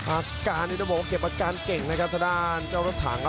อาการนี่ต้องบอกว่าเก็บอาการเก่งนะครับทางด้านเจ้ารถถังครับ